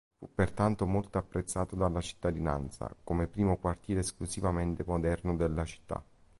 Fu pertanto molto apprezzato dalla cittadinanza, come primo quartiere esclusivamente moderno della città.